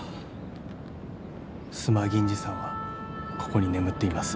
須磨銀次さんはここに眠っています